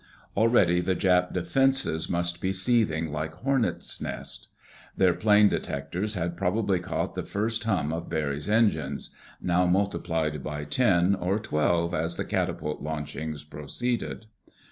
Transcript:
Already the Jap defenses must be seething like hornet nests. Their plane detectors had probably caught the first hum of Barry's engines—now multiplied by ten or twelve as the catapult launchings proceeded.